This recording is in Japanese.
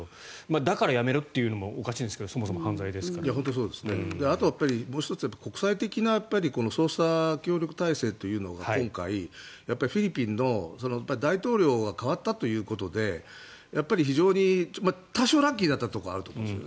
だからやめろっていうのもおかしいんですけどもう１つは、国際的な捜査協力体制というのが今回、フィリピンの大統領が代わったということで多少ラッキーだったところはあると思うんですよ。